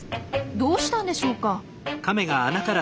どうしたんでしょうか？